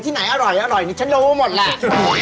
ไหนอร่อยนี่ฉันรู้หมดแหละ